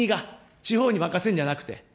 地方に任せるんじゃなくて。